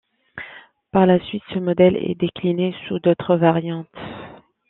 Par la suite, ce modèle est décliné sous d'autres variantes.